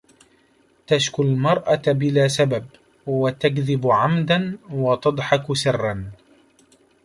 تشكو المرأة بلا سبب، وتكذب عمداً وتضحك سراً.